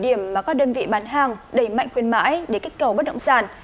đây là một nơi mà các đơn vị bán hàng đầy mạnh khuyên mãi để kích cầu bất động sản